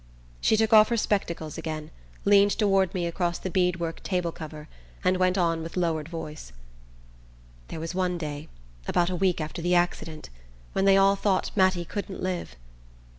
She took off her spectacles again, leaned toward me across the bead work table cover, and went on with lowered voice: "There was one day, about a week after the accident, when they all thought Mattie couldn't live.